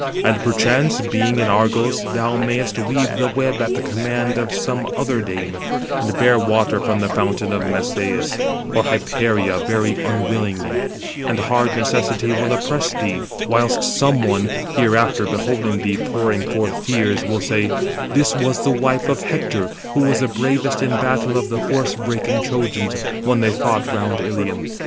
And, perchance, being in Argos, thou mayest weave the web at the command of some other dame, and bear water from the fountain of Messeïs, or Hyperia, very unwillingly; and hard necessity will oppress thee; whilst some one, hereafter beholding thee pouring forth tears, will say, 'This was the wife of Hector, who was the bravest in battle of the horse breaking Trojans, when they fought round Ilium.